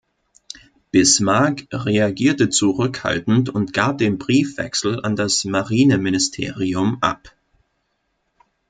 Bismarck reagierte zurückhaltend und gab den Briefwechsel an das Marineministerium ab.